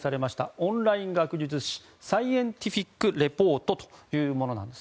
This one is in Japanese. オンライン学術誌「サイエンティフィック・レポート」というものです。